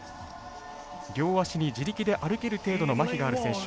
両足に自力で歩ける程度のまひがある選手。